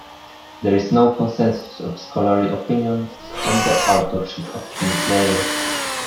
There is no consensus of scholarly opinion on the authorship of "King Leir".